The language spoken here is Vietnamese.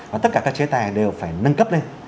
và tất cả các chế tài đều phải nâng cấp lên